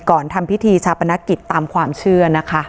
ทำพิธีชาปนกิจตามความเชื่อนะคะ